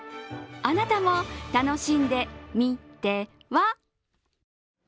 あなたも楽しんでみては？